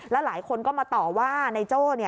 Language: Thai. หลายคนก็มาต่อว่านายโจ้